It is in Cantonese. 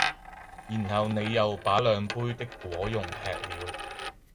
然後你又把兩杯的果茸吃了